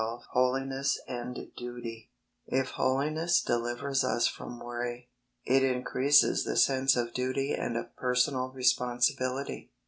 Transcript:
XII HOLINESS AND DUTY If Holiness delivers us from worry, it in creases the sense of duty and of personal responsibility.